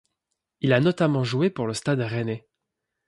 Il a notamment joué pour le Stade rennais.